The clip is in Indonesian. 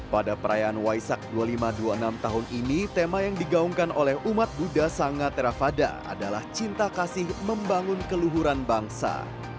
pada perayaan waisak dua ribu lima ratus dua puluh enam tahun ini tema yang digaungkan oleh umat buddha sangha theravada adalah cinta kasih membangun keluhuran bangsa